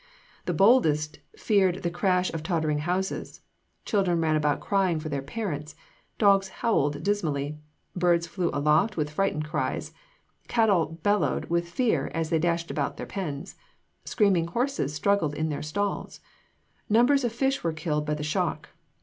The boldest feared the crash of tottering houses; children ran about crying for their parents; dogs howled dismally; birds flew aloft with frightened cries; cattle bellowed with fear as they dashed about their pens. Screaming horses struggled in their stalls. Numbers of fish were killed by the shock.